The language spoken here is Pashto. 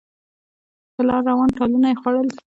په لاره روان ټالونه یې خوړل